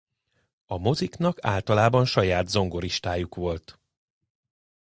A moziknak általában saját zongoristájuk volt.